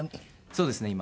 そうですね今。